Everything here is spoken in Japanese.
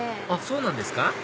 あっそうなんですか？